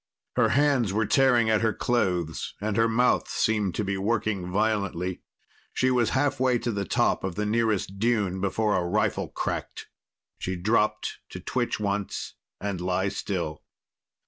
Her hands were tearing at her clothes and her mouth seemed to be working violently. She was halfway to the top of the nearest dune before a rifle cracked. She dropped, to twitch once and lie still.